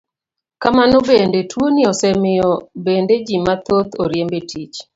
Kamano bende, tuoni osemiyo bende ji mathoth oriemb e tich.